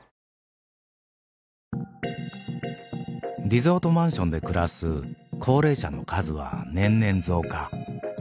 リゾートマンションで暮らす高齢者の数は年々増加。